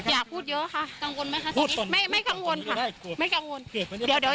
อย่าพูดเยอะค่ะ